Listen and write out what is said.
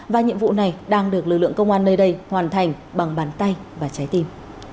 và nhiệm vụ này đang được lực lượng công an nơi đây hoàn thành bằng bàn tay và trái tim